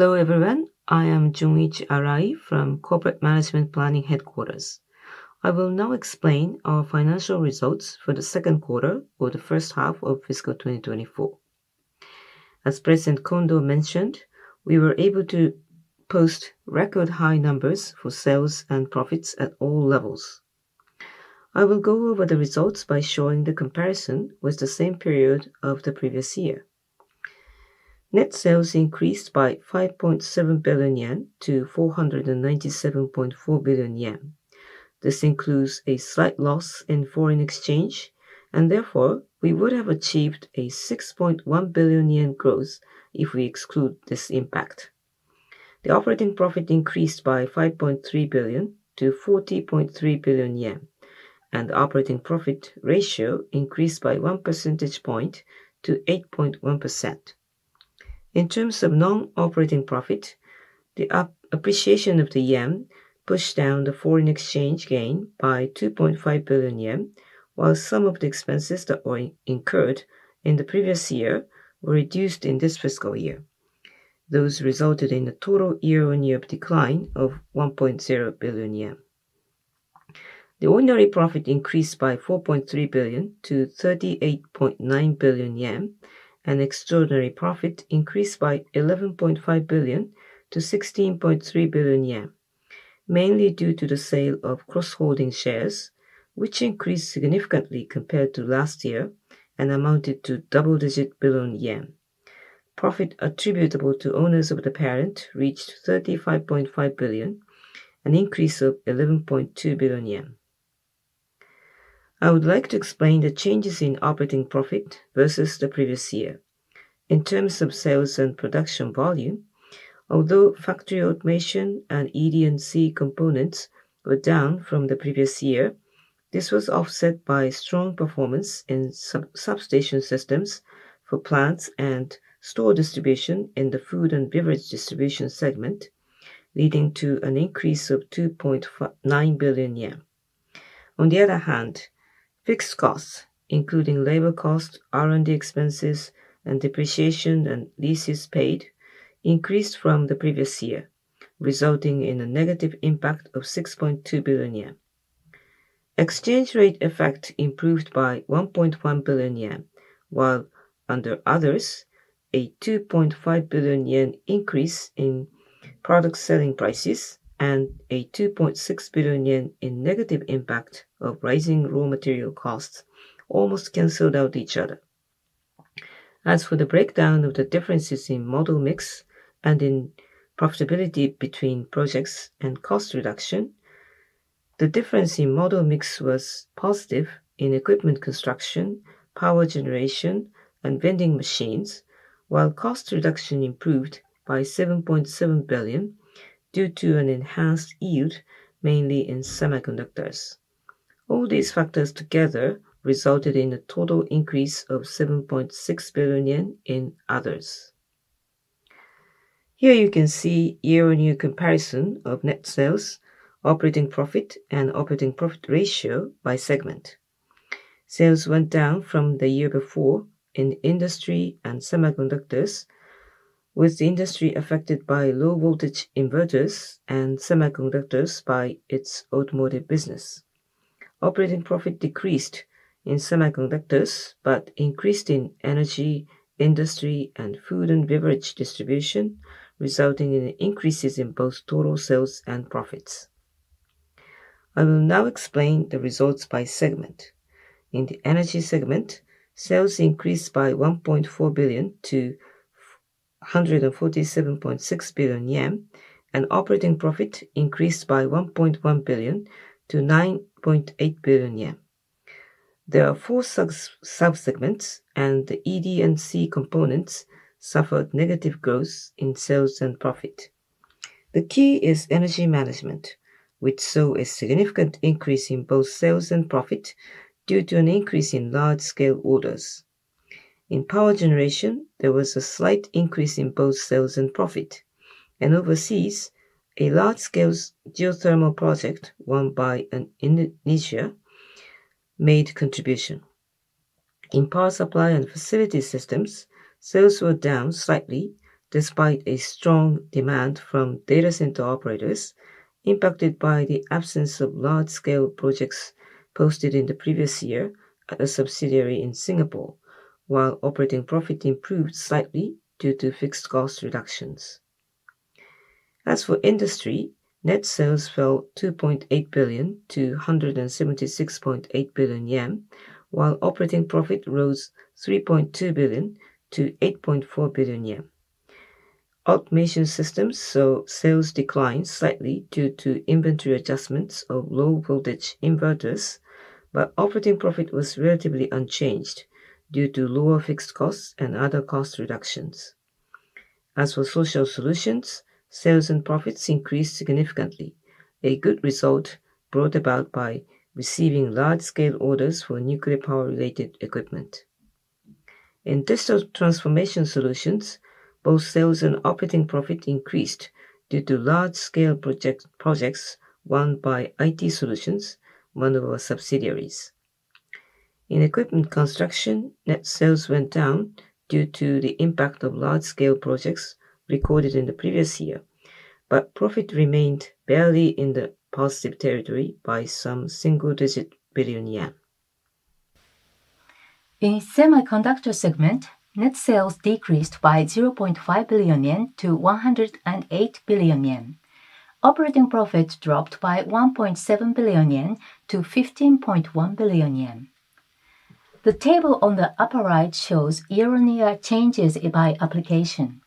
Hello everyone, I am Junichi Arai from Corporate Management Planning Headquarters. I will now explain our financial results for the second quarter, or the first half of fiscal 2024. As President Kondo mentioned, we were able to post record high numbers for sales and profits at all levels. I will go over the results by showing the comparison with the same period of the previous year. Net sales increased by 5.7 billion yen to 497.4 billion yen. This includes a slight loss in foreign exchange, and therefore we would have achieved a 6.1 billion yen growth if we exclude this impact. The operating profit increased by 5.3 billion to 40.3 billion yen, and the operating profit ratio increased by one percentage point to 8.1%. In terms of non-operating profit, the appreciation of the yen pushed down the foreign exchange gain by 2.5 billion yen, while some of the expenses that were incurred in the previous year were reduced in this fiscal year. Those resulted in a total year-on-year decline of 1.0 billion yen. The ordinary profit increased by 4.3 billion to 38.9 billion yen, and extraordinary profit increased by 11.5 billion to 16.3 billion yen, mainly due to the sale of cross-holding shares, which increased significantly compared to last year and amounted to double-digit billion JPY. Profit attributable to owners of the parent reached 35.5 billion, an increase of 11.2 billion yen. I would like to explain the changes in operating profit versus the previous year. In terms of sales and production volume, although factory automation and ED&C components were down from the previous year, this was offset by strong performance in substation systems for plants and store distribution in the food and beverage distribution segment, leading to an increase of 2.9 billion yen. On the other hand, fixed costs, including labor costs, R&D expenses, and depreciation and leases paid, increased from the previous year, resulting in a negative impact of 6.2 billion yen. Exchange rate effect improved by 1.1 billion yen, while under others, a 2.5 billion yen increase in product selling prices and a 2.6 billion yen in negative impact of rising raw material costs almost canceled out each other. As for the breakdown of the differences in model mix and in profitability between projects and cost reduction, the difference in model mix was positive in equipment construction, power generation, and vending machines, while cost reduction improved by 7.7 billion due to an enhanced yield, mainly in semiconductors. All these factors together resulted in a total increase of 7.6 billion yen in others. Here you can see year-on-year comparison of net sales, operating profit, and operating profit ratio by segment. Sales went down from the year before in industry and semiconductors, with the industry affected by low-voltage inverters and semiconductors by its automotive business. Operating profit decreased in semiconductors but increased in energy industry and food and beverage distribution, resulting in increases in both total sales and profits. I will now explain the results by segment. In the energy segment, sales increased by 1.4 billion to 147.6 billion yen, and operating profit increased by 1.1 billion to 9.8 billion yen. There are four subsegments, and the ED&C components suffered negative growth in sales and profit. The key is energy management, which saw a significant increase in both sales and profit due to an increase in large-scale orders. In power generation, there was a slight increase in both sales and profit, and overseas, a large-scale geothermal project won by Indonesia made a contribution. In power supply and facility systems, sales were down slightly despite a strong demand from data center operators, impacted by the absence of large-scale projects posted in the previous year at a subsidiary in Singapore, while operating profit improved slightly due to fixed cost reductions. As for industry, net sales fell 2.8 billion to 176.8 billion yen, while operating profit rose 3.2 billion to 8.4 billion yen. Automation systems saw sales decline slightly due to inventory adjustments of low-voltage inverters, but operating profit was relatively unchanged due to lower fixed costs and other cost reductions. As for social solutions, sales and profits increased significantly, a good result brought about by receiving large-scale orders for nuclear power-related equipment. In digital transformation solutions, both sales and operating profit increased due to large-scale projects won by IT Solutions, one of our subsidiaries. In equipment construction, net sales went down due to the impact of large-scale projects recorded in the previous year, but profit remained barely in the positive territory by some single-digit billion JPY. In semiconductor segment, net sales decreased by 0.5 billion yen to 108 billion yen. Operating profit dropped by 1.7 billion yen to 15.1 billion yen. The table on the upper right shows year-on-year changes by application.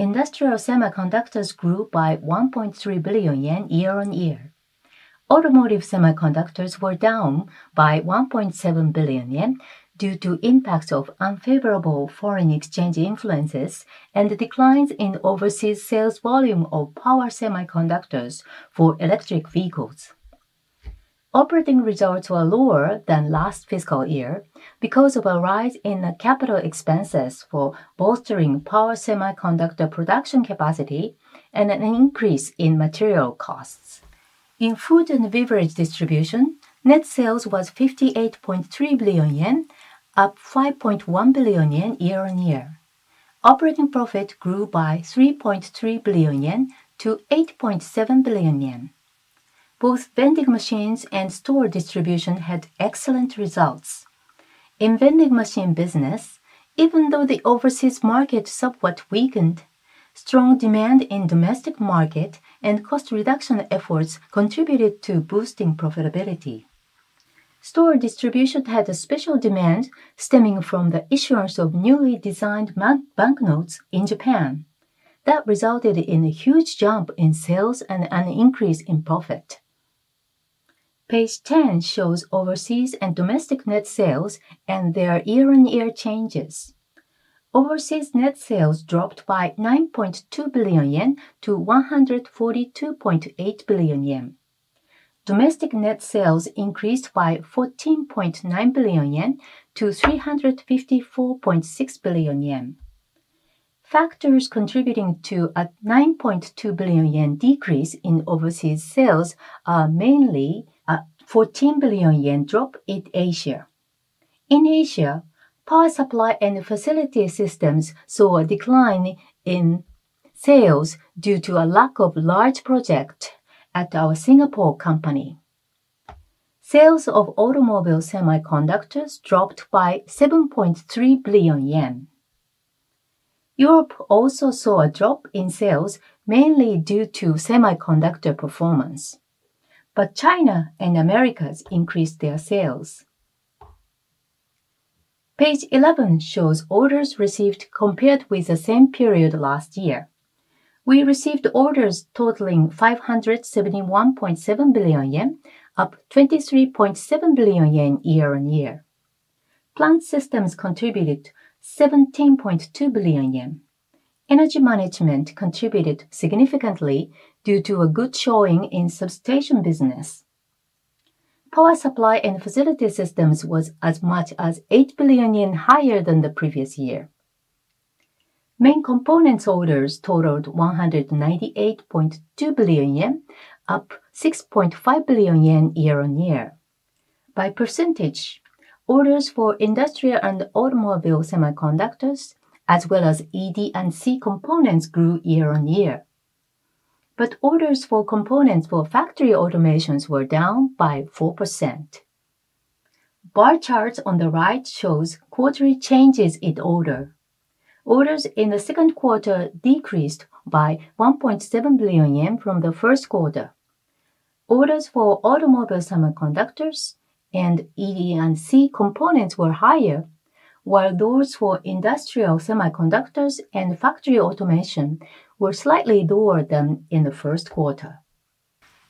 Industrial semiconductors grew by 1.3 billion yen year-on-year. Automotive semiconductors were down by 1.7 billion yen due to impacts of unfavorable foreign exchange influences and declines in overseas sales volume of power semiconductors for electric vehicles. Operating results were lower than last fiscal year because of a rise in capital expenses for bolstering power semiconductor production capacity and an increase in material costs. In food and beverage distribution, net sales was 58.3 billion yen, up 5.1 billion yen year-on-year. Operating profit grew by 3.3 billion yen to 8.7 billion yen. Both vending machines and store distribution had excellent results. In vending machine business, even though the overseas market somewhat weakened, strong demand in domestic market and cost reduction efforts contributed to boosting profitability. Store distribution had a special demand stemming from the issuance of newly designed banknotes in Japan. That resulted in a huge jump in sales and an increase in profit. Page 10 shows overseas and domestic net sales and their year-on-year changes. Overseas net sales dropped by 9.2 billion yen to 142.8 billion yen. Domestic net sales increased by 14.9 billion yen to 354.6 billion yen. Factors contributing to a 9.2 billion yen decrease in overseas sales are mainly a 14 billion yen drop in Asia. In Asia, power supply and facility systems saw a decline in sales due to a lack of large projects at our Singapore company. Sales of automotive semiconductors dropped by 7.3 billion yen. Europe also saw a drop in sales, mainly due to semiconductor performance, but China and Americas increased their sales. Page 11 shows orders received compared with the same period last year. We received orders totaling 571.7 billion yen, up 23.7 billion yen year-on-year. Plant systems contributed 17.2 billion yen. Energy management contributed significantly due to a good showing in substation business. Power supply and facility systems was as much as 8 billion yen higher than the previous year. Main components orders totaled 198.2 billion yen, up 6.5 billion yen year-on-year. By percentage, orders for industrial and automotive semiconductors, as well as ED&C components, grew year-on-year. But orders for components for factory automation were down by 4%. Bar charts on the right show quarterly changes in orders. Orders in the second quarter decreased by 1.7 billion yen from the first quarter. Orders for automobile semiconductors and ED&C components were higher, while those for industrial semiconductors and factory automation were slightly lower than in the first quarter.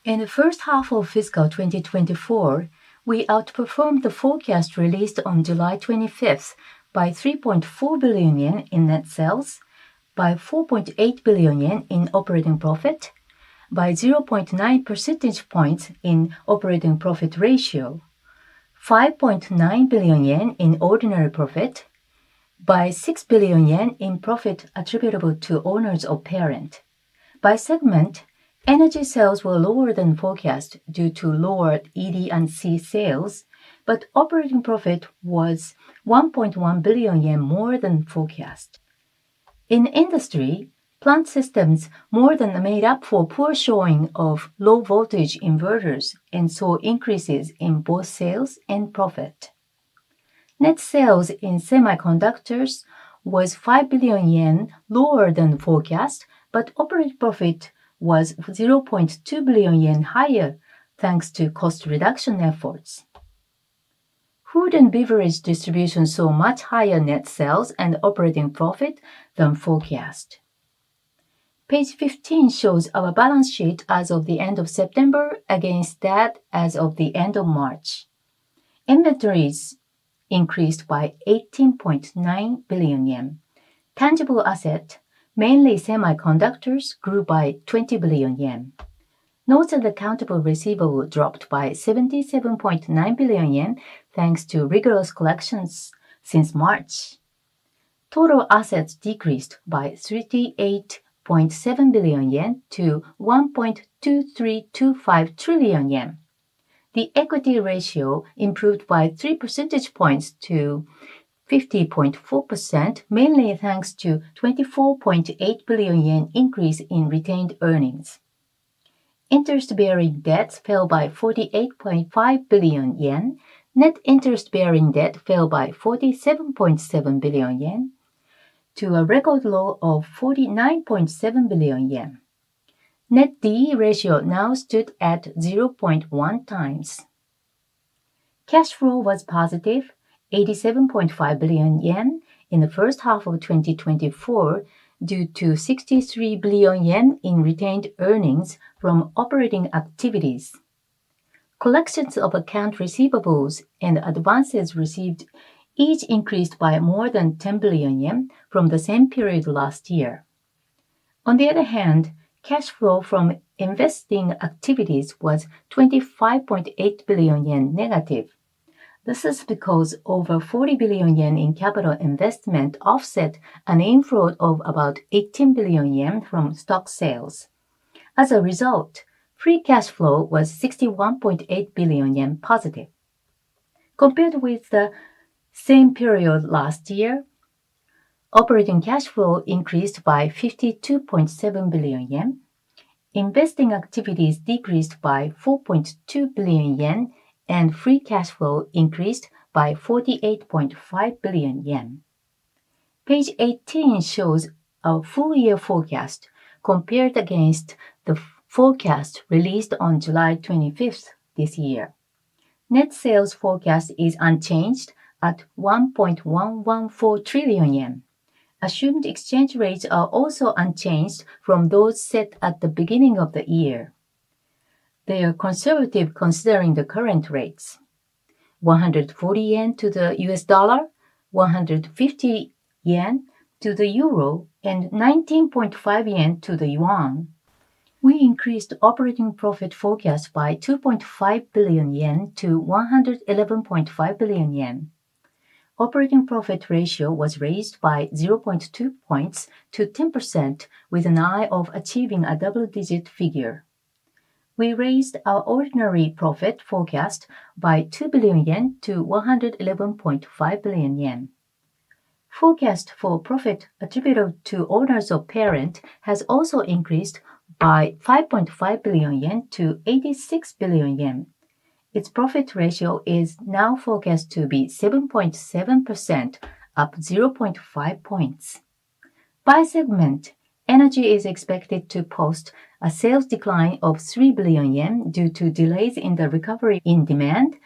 In the first half of fiscal 2024, we outperformed the forecast released on July 25 by 3.4 billion yen in net sales, by 4.8 billion yen in operating profit, by 0.9 percentage points in operating profit ratio, 5.9 billion yen in ordinary profit, by 6 billion yen in profit attributable to owners of parent. By segment, energy sales were lower than forecast due to lower ED&C sales, but operating profit was 1.1 billion yen more than forecast. In industry, plant systems more than made up for poor showing of low-voltage inverters and saw increases in both sales and profit. Net sales in semiconductors was 5 billion yen lower than forecast, but operating profit was 0.2 billion yen higher thanks to cost reduction efforts. Food and beverage distribution saw much higher net sales and operating profit than forecast. Page 15 shows our balance sheet as of the end of September against that as of the end of March. Inventories increased by 18.9 billion yen. Tangible assets, mainly semiconductors, grew by 20 billion yen. Notes and accounts receivable dropped by 77.9 billion yen thanks to rigorous collections since March. Total assets decreased by 38.7 billion yen to 1.2325 trillion yen. The equity ratio improved by 3 percentage points to 50.4%, mainly thanks to a 24.8 billion yen increase in retained earnings. Interest-bearing debts fell by 48.5 billion yen. Net interest-bearing debt fell by 47.7 billion yen to a record low of 49.7 billion yen. Net D/E ratio now stood at 0.1 times. Cash flow was positive 87.5 billion yen in the first half of 2024 due to 63 billion yen in retained earnings from operating activities. Collections of accounts receivable and advances received each increased by more than 10 billion yen from the same period last year. On the other hand, cash flow from investing activities was 25.8 billion yen negative. This is because over 40 billion yen in capital investment offset an inflow of about 18 billion yen from stock sales. As a result, free cash flow was 61.8 billion yen positive. Compared with the same period last year, operating cash flow increased by 52.7 billion yen. Investing activities decreased by 4.2 billion yen, and free cash flow increased by 48.5 billion yen. Page 18 shows a full-year forecast compared against the forecast released on July 25 this year. Net sales forecast is unchanged at 1.114 trillion yen. Assumed exchange rates are also unchanged from those set at the beginning of the year. They are conservative considering the current rates: 140 yen to the USD, JPY 150 to the EUR, and JPY 19.5 to the CNY. We increased operating profit forecast by 2.5 billion yen to 111.5 billion yen. Operating profit ratio was raised by 0.2 points to 10%, with an eye of achieving a double-digit figure. We raised our ordinary profit forecast by 2 billion yen to 111.5 billion yen. Forecast for profit attributable to owners of parent has also increased by 5.5 billion yen to 86 billion yen. Its profit ratio is now forecast to be 7.7%, up 0.5 points. By segment, energy is expected to post a sales decline of 3 billion yen due to delays in the recovery in demand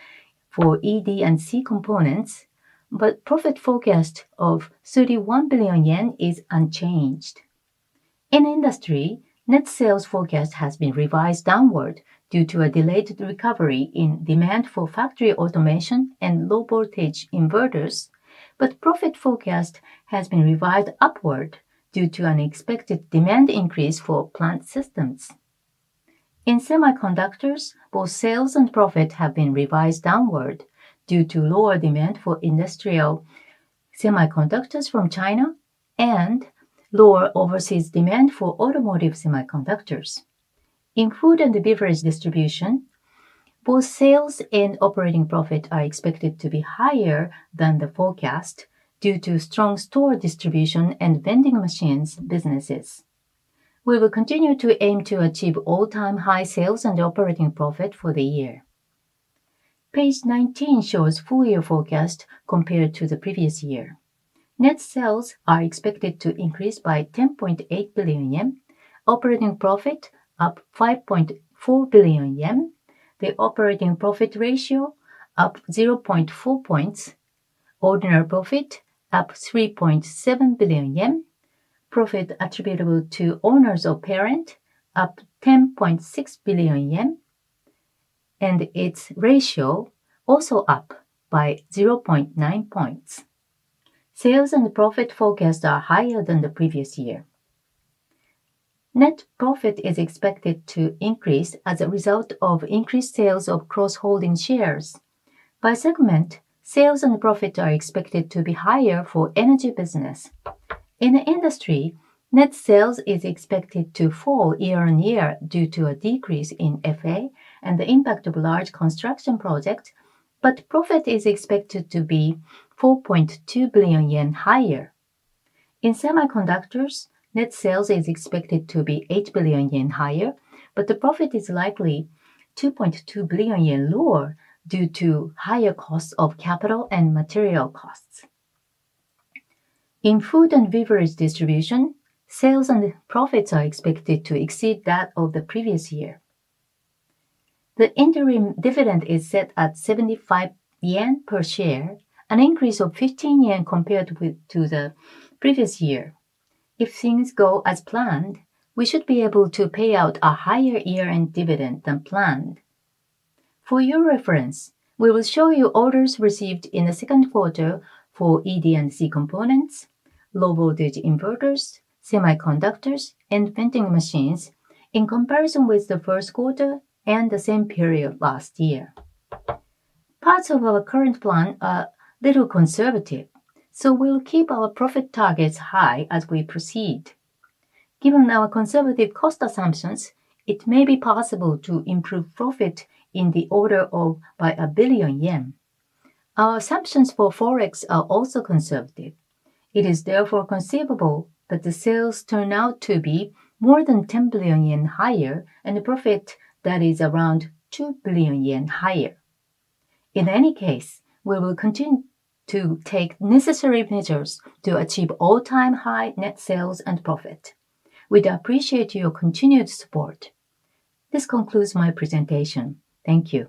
for ED&C components, but profit forecast of 31 billion yen is unchanged. In industry, net sales forecast has been revised downward due to a delayed recovery in demand for factory automation and low-voltage inverters, but profit forecast has been revised upward due to an expected demand increase for plant systems. In semiconductors, both sales and profit have been revised downward due to lower demand for industrial semiconductors from China and lower overseas demand for automotive semiconductors. In food and beverage distribution, both sales and operating profit are expected to be higher than the forecast due to strong store distribution and vending machines businesses. We will continue to aim to achieve all-time high sales and operating profit for the year. Page 19 shows full-year forecast compared to the previous year. Net sales are expected to increase by 10.8 billion yen, operating profit up 5.4 billion yen, the operating profit ratio up 0.4 points, ordinary profit up 3.7 billion yen, profit attributable to owners of parent up 10.6 billion yen, and its ratio also up by 0.9 points. Sales and profit forecast are higher than the previous year. Net profit is expected to increase as a result of increased sales of cross-holding shares. By segment, sales and profit are expected to be higher for energy business. In industry, net sales is expected to fall year-on-year due to a decrease in FA and the impact of large construction projects, but profit is expected to be 4.2 billion yen higher. In semiconductors, net sales is expected to be 8 billion yen higher, but the profit is likely 2.2 billion yen lower due to higher costs of capital and material costs. In food and beverage distribution, sales and profits are expected to exceed that of the previous year. The interim dividend is set at 75 yen per share, an increase of 15 yen compared to the previous year. If things go as planned, we should be able to pay out a higher year-end dividend than planned. For your reference, we will show you orders received in the second quarter for ED&C components, low-voltage inverters, semiconductors, and vending machines in comparison with the first quarter and the same period last year. Parts of our current plan are a little conservative, so we'll keep our profit targets high as we proceed. Given our conservative cost assumptions, it may be possible to improve profit in the order of a billion yen. Our assumptions for Forex are also conservative. It is therefore conceivable that the sales turn out to be more than 10 billion yen higher and the profit that is around 2 billion yen higher. In any case, we will continue to take necessary measures to achieve all-time high net sales and profit. We'd appreciate your continued support. This concludes my presentation. Thank you.